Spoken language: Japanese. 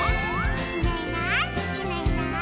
「いないいないいないいない」